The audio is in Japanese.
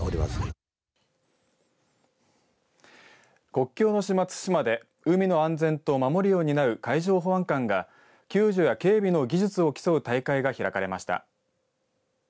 国境の島、津島で海の安全と守りを担う海上保安官が救助や警備の技術を競う大会が開かれました。